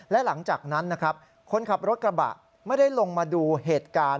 และหลังจากนั้นนะครับคนขับรถกระบะไม่ได้ลงมาดูเหตุการณ์